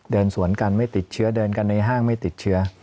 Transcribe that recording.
เดินสวนกันไม่ติดเชื้อเดินกันในห้างไม่ติดเชื้อ